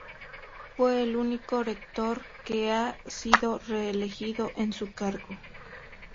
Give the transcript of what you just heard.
Fue el único rector que ha sido reelegido en su cargo.